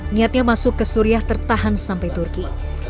niatnya masuk ke suriah tertahan sampai turki